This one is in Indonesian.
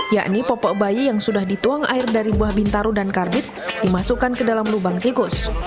yakni popok bayi yang sudah dituang air dari buah bintaro dan karbit dimasukkan ke dalam lubang tikus